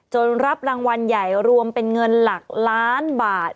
รับรางวัลใหญ่รวมเป็นเงินหลักล้านบาท